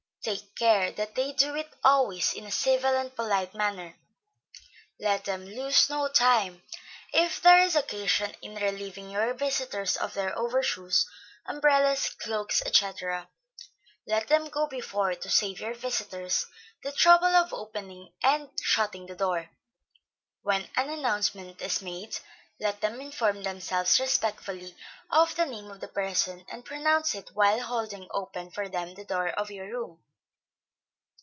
Take care that they do it always in a civil and polite manner; let them lose no time, if there is occasion, in relieving your visitors of their over shoes, umbrellas, cloaks, &c. let them go before, to save your visitors the trouble of opening and shutting the door. When an announcement is made, let them inform themselves respectfully of the name of the person, and pronounce it while holding open for them the door of your room.